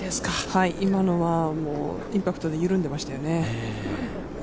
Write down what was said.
今のはインパクトで緩んでましたよね。